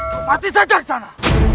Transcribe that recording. kau mati saja disana